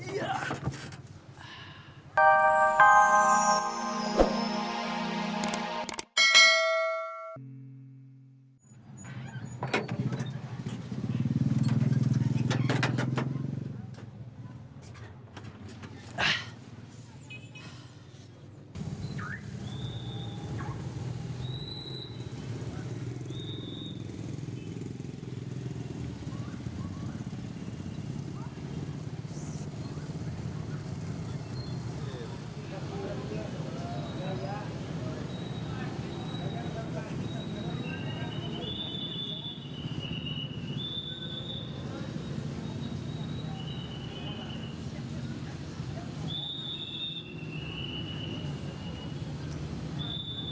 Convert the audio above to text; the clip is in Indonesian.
kamu gak mau lama lama juga